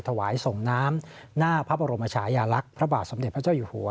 ถวายส่งน้ำหน้าพระบรมชายาลักษณ์พระบาทสมเด็จพระเจ้าอยู่หัว